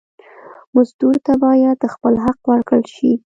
مزدور ته باید خپل حق ورکړل شي.